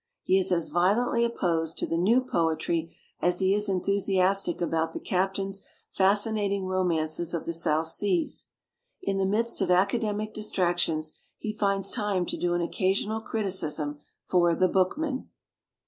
He is as violently opposed to the "new" poetry as he is enthusiastic about the Cap tain's fascinating romances of the South Seas. In the midst of academic distractions, he finds time to do an oc casional criticism for The Bookman.